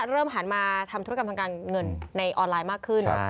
หันมาทำธุรกรรมทางการเงินในออนไลน์มากขึ้น